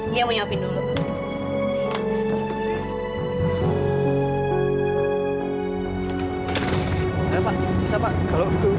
dia mau siapin dulu